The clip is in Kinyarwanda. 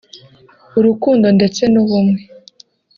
urukundo ndetse n’ubumwe